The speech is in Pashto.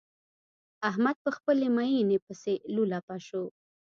احمد په خپلې ميينې پسې لولپه شو.